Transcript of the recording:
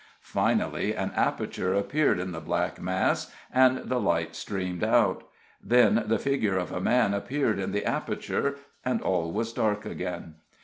Finally an aperture appeared in the black mass, and the light streamed out. Then the figure of a man appeared in the aperture, and all was dark again.